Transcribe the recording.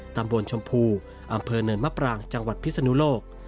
ตำบลชมพูอำเภอเนินมะปรางจังหวัดพิศนุโลก